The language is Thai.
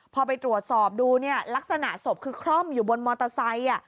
พอไปตรวจสอบดูเนี่ยลักษณะศพคือคร่อมอยู่บนมอเตอร์ไซค์